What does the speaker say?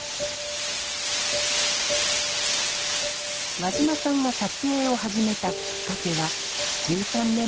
和嶋さんが撮影を始めたきっかけは１３年前。